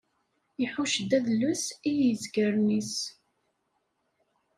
Iḥucc-d adles i yizgaren-is.